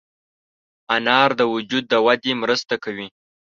انار د وجود د ودې مرسته کوي.